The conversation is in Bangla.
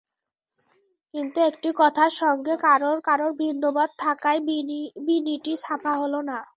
কিন্তু একটি কথার সঙ্গে কারও কারও ভিন্নমত থাকায় বাণীটি ছাপা হলো না।